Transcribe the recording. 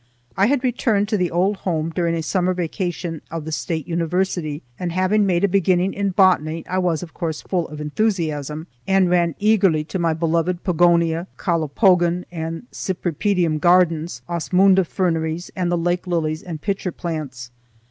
I had returned to the old home during a summer vacation of the State University, and, having made a beginning in botany, I was, of course, full of enthusiasm and ran eagerly to my beloved pogonia, calopogon, and cypripedium gardens, osmunda ferneries, and the lake lilies and pitcher plants.